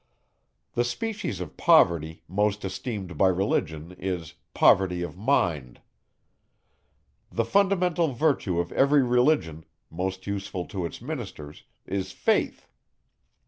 The species of poverty, most esteemed by Religion, is poverty of mind. The fundamental virtue of every Religion, most useful to its ministers, is faith.